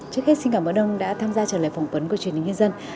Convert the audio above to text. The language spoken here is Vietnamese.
xin cảm ơn ông đã tham gia trở lại phỏng vấn của truyền hình nhân dân